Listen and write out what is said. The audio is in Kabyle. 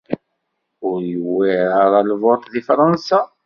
Ur yuwir ara lvuṭ di Fransa.